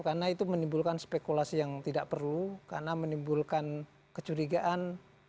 karena itu menimbulkan spekulasi yang tidak perlu karena menimbulkan kecurigaan